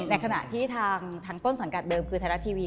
ในขณะที่ทางต้นสังกัดเดิมคือไทยรัฐทีวี